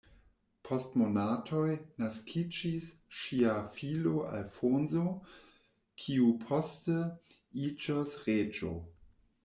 Post monatoj naskiĝis ŝia filo Alfonso, kiu poste iĝos reĝo.